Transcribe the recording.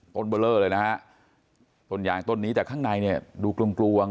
เบอร์เลอร์เลยนะฮะต้นยางต้นนี้แต่ข้างในเนี่ยดูกลวงกลวง